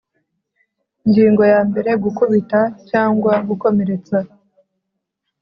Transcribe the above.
Ingingo ya mbere Gukubita cyangwa gukomeretsa